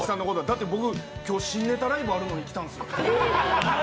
だって僕、新ネタライブあるのに来たんですよ。